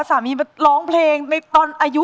น่ามงาน